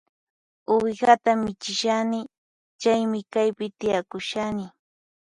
Uwihata michishani, chaymi kaypi tiyakushani